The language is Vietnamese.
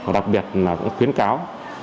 đặc biệt khuyến cáo